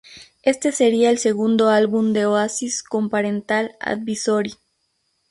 Este seria el segundo álbum de Oasis con Parental Advisory.